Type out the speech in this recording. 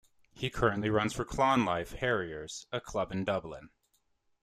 He currently runs for Clonliffe Harriers, a club in Dublin.